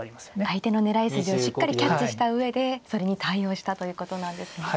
相手の狙い筋をしっかりキャッチした上でそれに対応したということなんですね。